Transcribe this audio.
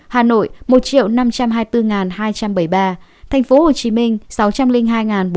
hà nội một năm trăm hai mươi bốn hai trăm bảy mươi ba tp hcm sáu trăm linh hai bốn trăm bảy mươi nghệ an bốn trăm linh